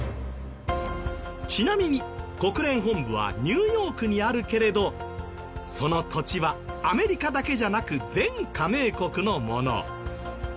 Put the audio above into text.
ちなみに国連本部はニューヨークにあるけれどその土地はアメリカだけじゃなく全加盟国のもの。